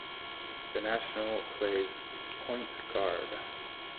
The national plays Point guard.